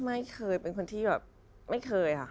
ไม่เคยเป็นคนที่แบบไม่เคยค่ะ